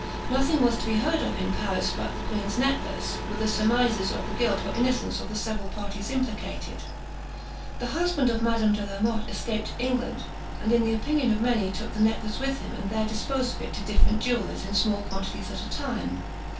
Nothing was to be heard of in Paris but the queen's necklace, with surmises of the guilt or innocence of the several parties implicated. The husband of Madame de la Motte escaped to England, and in the opinion of many took the necklace with him, and there disposed of it to different jewellers in small quantities at a time.